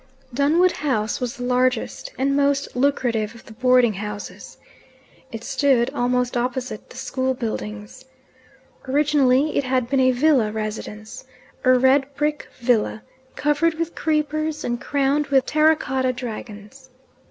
Dunwood House was the largest and most lucrative of the boarding houses. It stood almost opposite the school buildings. Originally it had been a villa residence a red brick villa, covered with creepers and crowned with terracotta dragons.